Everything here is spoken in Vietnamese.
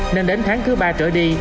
nên đến tháng thứ ba trở đi